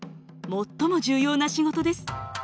最も重要な仕事です。